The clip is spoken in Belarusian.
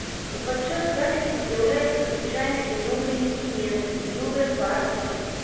Бо падчас запісу з'яўляюцца звычайна і новыя інструменты, і новыя партыі.